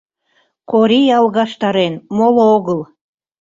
Корий алгаштарен, моло огыл.